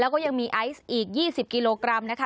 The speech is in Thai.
แล้วก็ยังมีไอซ์อีก๒๐กิโลกรัมนะคะ